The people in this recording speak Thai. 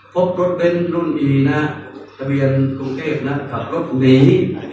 พบรถเบ้นรุ่นดีนะทะเบียนกรุงเทพนะขับรถหนี